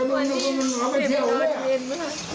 วันนี้เก็บไปตอนเย็นมั้ยครับ